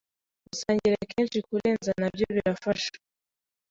gusangira kenshi kurenza nabyo birafasha